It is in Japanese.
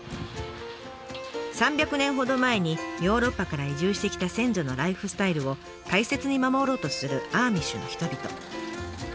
３００年ほど前にヨーロッパから移住してきた先祖のライフスタイルを大切に守ろうとするアーミッシュの人々。